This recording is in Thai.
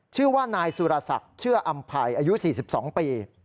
ชื่อว่านายสุรศักดิ์เชื่ออำภัยอายุ๔๒ปี